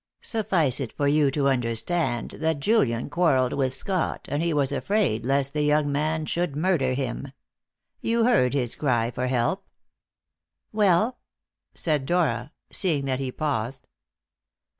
Suffice it for you to understand that Julian quarrelled with Scott, and he was afraid lest the young man should murder him. You heard his cry for help." "Well?" said Dora, seeing that he paused.